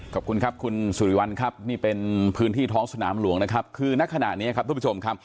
ขอบคุณครับคุณสุริวัลครับนี่เป็นพื้นที่ท้องสนามหลวงนะครับคือนักขณะนี้ครับทุกผู้ชมครับ